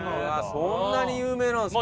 そんなに有名なんですか？